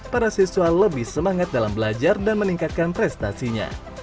para siswa lebih semangat dalam belajar dan meningkatkan prestasinya